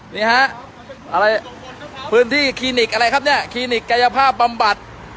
นี่ฮะอะไรพื้นที่คลินิกอะไรครับเนี่ยคลินิกกายภาพบำบัด